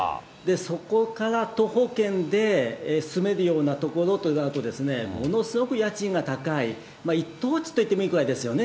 そこから徒歩圏で住めるような所となると、ものすごく家賃が高い、一等地といってもいいくらいですよね。